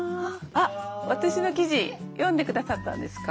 私の記事読んで下さったんですか？